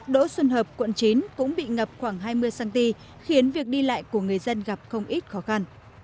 đỗ xuân hợp quận chín cũng bị ngập khoảng hai mươi cm khiến việc đi lại của người dân gặp không ít khó khăn